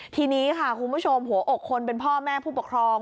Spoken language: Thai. ทีนี้ค่ะคุณผู้ชมหัวอกคนเป็นพ่อแม่ผู้ปกครอง